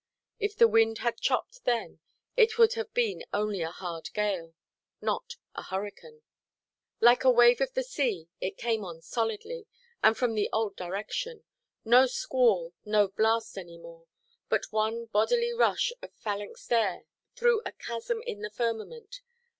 If the wind had chopped then, it would have been only a hard gale, not a hurricane. Like a wave of the sea, it came on solidly, and from the old direction; no squall, no blast, any more; but one bodily rush of phalanxed air through a chasm in the firmament.